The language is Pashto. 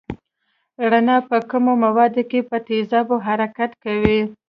رڼا په کمو موادو کې په تېزۍ حرکت کوي.